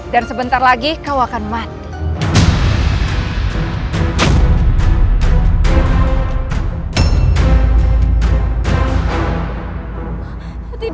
dan sebentar lagi kau akan mati